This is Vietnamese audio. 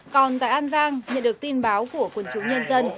còn tại an giang nhận được tin báo của quân chúng nhân dân